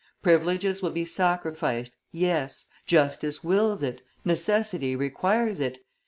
Privileges will be sacrificed! Yes! Justice wills it, necessity requires it!